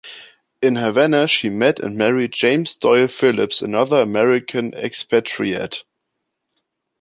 In Havana she met and married James Doyle Phillips, another American expatriate.